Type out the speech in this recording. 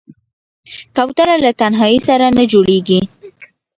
کوتره له تنهايي سره نه جوړېږي.